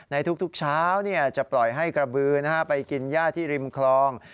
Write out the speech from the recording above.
ในทุกเช้าจะปล่อยให้กระบือไปกินย่าที่ริมคลอง